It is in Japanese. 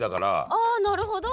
あなるほど。